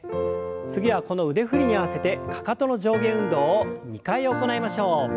次はこの腕振りに合わせてかかとの上下運動を２回行いましょう。